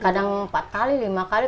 kadang empat kali lima kali